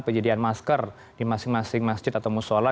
penyediaan masker di masing masing masjid atau musola